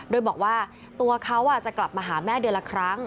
โดยบอกว่าตัวเขาจะกลับมาหาแม่เดือนละครั้ง